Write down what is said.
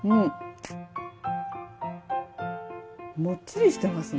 もっちりしてますね。